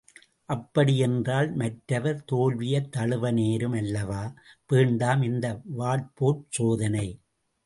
அப்படியென்றால், மற்றவர் தோல்வியைத் தழுவ நேரும் அல்லவா? – வேண்டாம் இந்த வாட்போர்ச் சோதனை!.